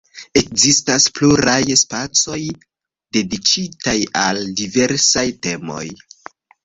Ekzistas pluraj spacoj, dediĉitaj al diversaj temoj.